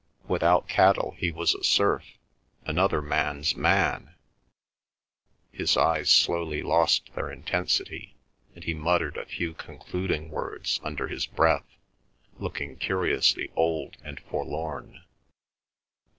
Without cattle he was a serf, another man's man. ..." His eyes slowly lost their intensity, and he muttered a few concluding words under his breath, looking curiously old and forlorn.